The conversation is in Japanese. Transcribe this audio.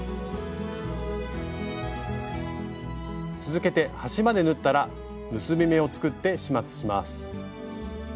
続けて端まで縫ったら結び目を作って始末します。